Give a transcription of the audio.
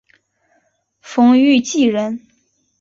冯誉骥人。